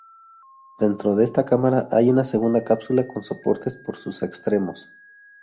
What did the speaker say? Dentro de esta cámara hay una segunda cápsula con soportes por sus extremos.